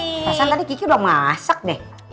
rasanya tadi kiki udah mau masak deh